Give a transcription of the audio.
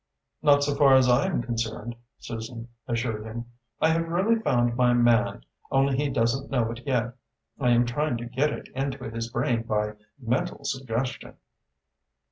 "Not so far as I am concerned," Susan assured him. "I have really found my man, only he doesn't know it yet. I am trying to get it into his brain by mental suggestion."